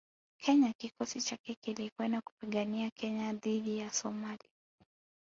Kenya kikosi chake kilikwenda kupigania Kenya dhidi ya Wasomali